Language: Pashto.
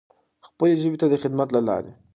خپلې ژبې ته د خدمت له لارې.